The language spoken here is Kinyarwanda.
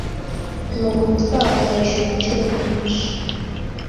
mugutwara hejuru inshuro nyinshi